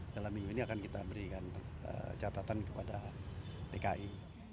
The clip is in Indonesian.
dalam minggu ini akan kita berikan catatan kepada dki